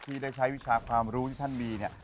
ที่ได้ใช้วิชาความรู้ที่ท่านมีเนี่ย